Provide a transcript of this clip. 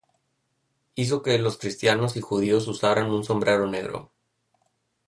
Hizo que los cristianos y los judíos usaran un sombrero negro.